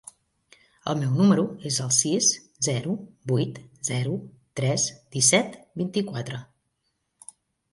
El meu número es el sis, zero, vuit, zero, tres, disset, vint-i-quatre.